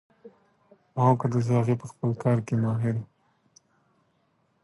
ما وکتل چې هغه په خپل کار کې ماهر ده